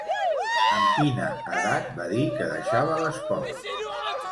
Amb quina edat va dir que deixava l'esport?